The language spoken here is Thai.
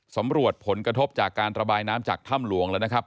สำรวจผลกระทบจากการระบายน้ำจากถ้ำหลวงแล้วนะครับ